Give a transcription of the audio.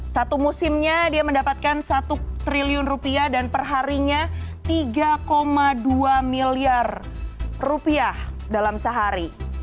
satu musimnya dia mendapatkan satu triliun rupiah dan perharinya tiga dua miliar rupiah dalam sehari